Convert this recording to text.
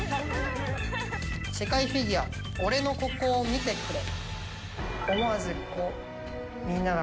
世界フィギュア俺のここを見てくれ。